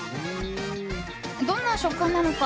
どんな食感なのか？